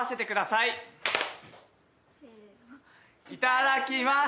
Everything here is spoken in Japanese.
いただきます。